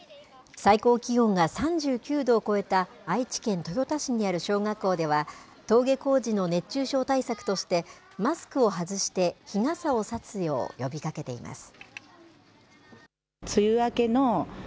最高気温が３９度を超えた愛知県豊田市にある小学校では、登下校時の熱中症対策として、マスクを外して日傘を差すよう呼びかけています。